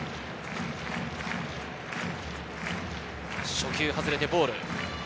初球外れてボール。